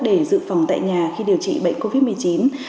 để dự phòng tại nhà khi điều trị bệnh covid một mươi chín